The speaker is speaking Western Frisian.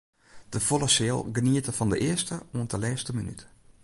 De folle seal geniete fan de earste oant de lêste minút.